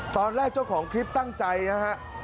ตอนแรกเจ้าของคลิปตั้งใจนะครับ